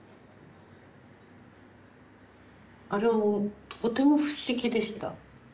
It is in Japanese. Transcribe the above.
あれはとても不思議でした。